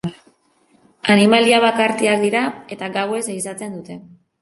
Animalia bakartiak dira, eta gauez ehizatzen dute.